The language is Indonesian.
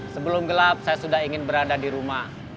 sebelum gelap saya sudah ingin berada di rumah